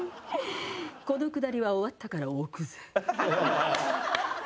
このくだりは終わったから置くぜ。